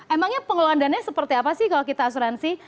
emangnya pengelolaan dana seperti apa sih kalau kita asuransi